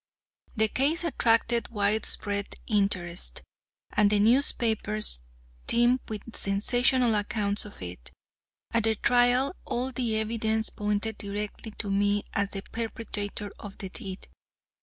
The case attracted widespread interest, and the newspapers teemed with sensational accounts of it. At the trial, all of the evidence pointed directly to me as the perpetrator of the deed.